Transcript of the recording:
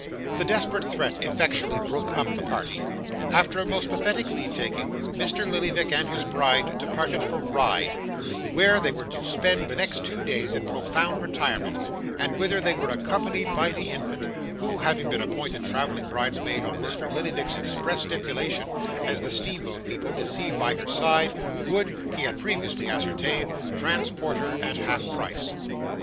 This desperate threat effectually broke up the party. After a most pathetic leave taking, Mr. Lillyvick and his bride departed for Ryde, where they were to spend the next two days in profound retirement, and whither they were accompanied by the infant, who had been appointed travelling bridesmaid on Mr. Lillyvick's express stipulation: as the steamboat people, deceived by her size, would (he had previously ascertained) transport her at half price.